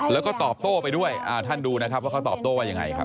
แล้วก็ตอบโต้ไปด้วยท่านดูนะครับว่าเขาตอบโต้ว่ายังไงครับ